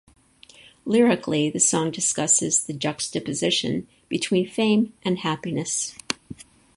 Lyrically the song discusses the juxtaposition between fame and happiness.